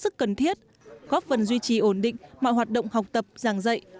sức cần thiết góp phần duy trì ổn định mọi hoạt động học tập giảng dạy